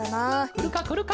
くるかくるか！